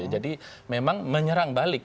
jadi memang menyerang balik